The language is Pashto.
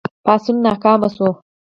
پاڅون ناکام شو.